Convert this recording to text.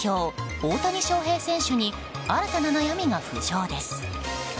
大谷翔平選手に新たな悩みが浮上です。